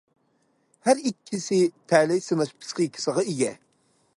ھەر ئىككىسى تەلەي سىناش پىسخىكىسىغا ئىگە.